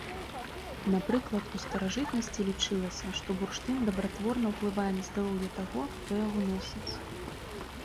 Напрыклад, у старажытнасці лічылася, што бурштын дабратворна ўплывае на здароўе таго, хто яго носіць.